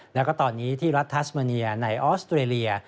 แล้วก็ตอนนี้ที่รัฐทัสมาเนียในออสเตรเลีย